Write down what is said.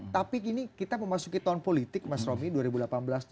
tapi kini kita memasuki tahun politik mas romy dua ribu delapan belas dua ribu sembilan